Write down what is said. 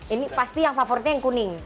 ini pasti yang favoritnya yang kuning